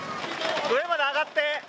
上まで上がって。